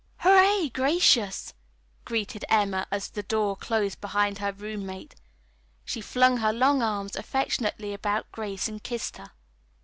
"Hooray, Gracious!" greeted Emma as the door closed behind her roommate. She flung her long arms affectionately about Grace and kissed her.